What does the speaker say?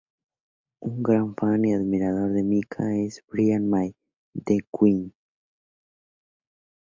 Un gran fan y admirador de Mika es Brian May, de Queen.